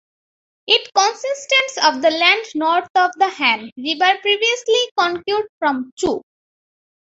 It consisted of the land north of the Han River previously conquered from Chu.